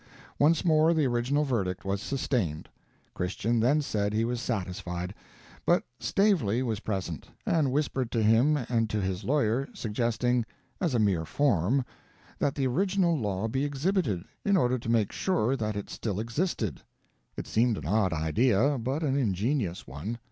Once more the original verdict was sustained. Christian then said he was satisfied; but Stavely was present, and whispered to him and to his lawyer, suggesting, "as a mere form," that the original law be exhibited, in order to make sure that it still existed. It seemed an odd idea, but an ingenious one.